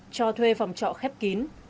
cho thuê phòng trọ khép kín